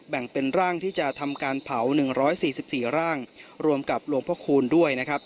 แบ่งเป็นร่างที่จะทำการเผา๑๔๔ร่างรวมกับหลวงพระคูณด้วยนะครับ